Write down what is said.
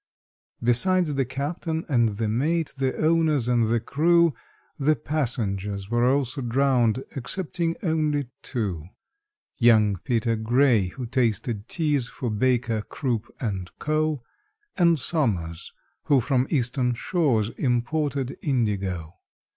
Besides the captain and the mate, the owners and the crew, The passengers were also drowned excepting only two: Young PETER GRAY, who tasted teas for BAKER, CROOP, AND CO., And SOMERS, who from Eastern shores imported indigo.